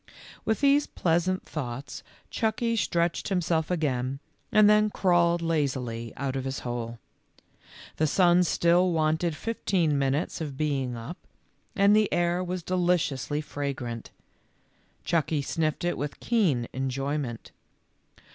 With these pleasant thoughts Chucky stretched himself again and then crawled laz ily out of his hole. The sun still wanted fif teen minutes of being up, and the air was deliciously fragrant. Chucky sniffed it with keen enjoyment.